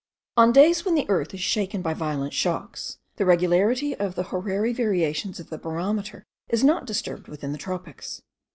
On days when the earth is shaken by violent shocks, the regularity of the horary variations of the barometer is not disturbed within the tropics.